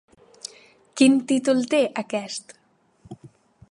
Quin títol té aquest?